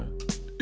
え？